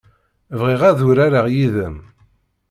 Bɣiɣ ad urareɣ yid-m.